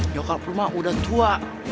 nyokap lu mah udah tua